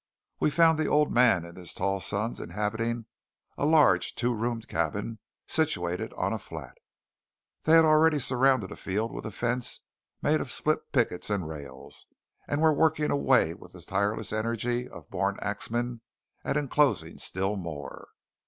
We found the old man and his tall sons inhabiting a large two roomed cabin situated on a flat. They had already surrounded a field with a fence made of split pickets and rails, and were working away with the tireless energy of the born axemen at enclosing still more.